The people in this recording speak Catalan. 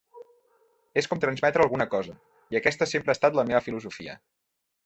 És com transmetre alguna cosa, i aquesta sempre ha estat la meva filosofia.